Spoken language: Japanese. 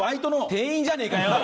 店員じゃねえかよ！